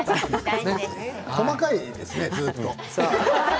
細かいですね、ずっと。